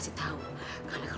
terima kasih ma